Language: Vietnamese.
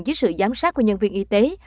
dưới sự giám sát của nhân viên y tế